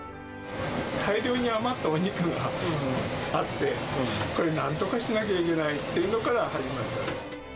大量に余ったお肉があって、これ、なんとかしなきゃいけないというのから始めました。